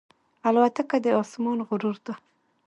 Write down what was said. الوتکه د آسمان غرور ده.